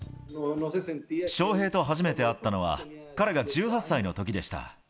翔平と初めて会ったのは、彼が１８歳のときでした。